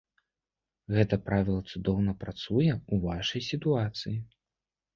Гэта правіла цудоўна працуе ў вашай сітуацыі.